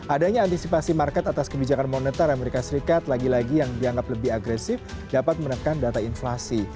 adanya antisipasi market atas kebijakan moneter amerika serikat lagi lagi yang dianggap lebih agresif dapat menekan data inflasi